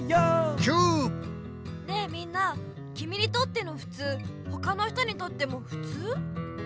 きみにとってのふつうほかの人にとってもふつう？